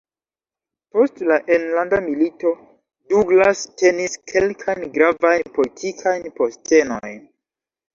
Post la Enlanda Milito, Douglass tenis kelkajn gravajn politikajn postenojn.